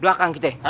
belakang gitu ya